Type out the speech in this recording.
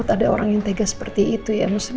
ada orang yang tegas seperti itu ya